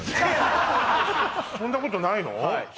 そんなことないの？